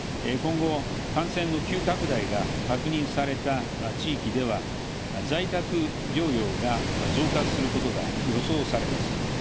今後、感染の急拡大が確認された地域では在宅療養が増加することが予想されます。